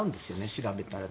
調べたら。